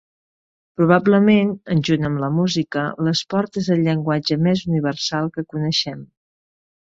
Probablement, junt amb la música, l’esport és el llenguatge més universal que coneixem.